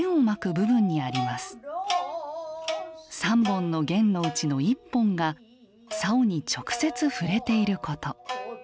３本の弦のうちの１本がさおに直接触れていること。